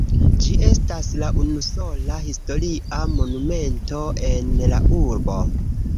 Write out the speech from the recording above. Ĝi estas la unusola historia monumento en la urbo.